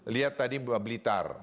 lihat tadi blitar